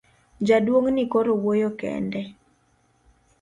Jaduong' ni koro wuoyo kende.